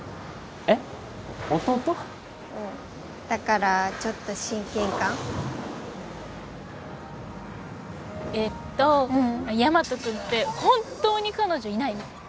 うんだからちょっと親近感えっとヤマト君って本当に彼女いないの？